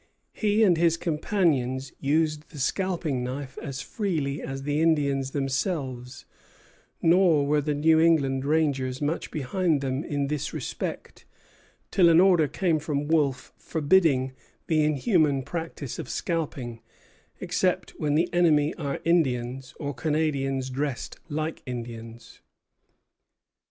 He and his companions used the scalping knife as freely as the Indians themselves; nor were the New England rangers much behind them in this respect, till an order came from Wolfe forbidding "the inhuman practice of scalping, except when the enemy are Indians, or Canadians dressed like Indians."